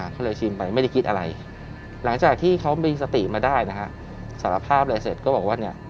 ก็เลยชิมไปไม่ได้คิดอะไรหลังจากที่เขามีสติมาได้นะฮะสารภาพอะไรเสร็จก็บอกว่าเนี่ย